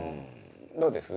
どうです？